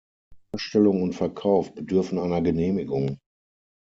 Herstellung und Verkauf bedürfen einer Genehmigung.